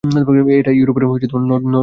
এটা ইউরোপের নর্দমার ময়লা পানি।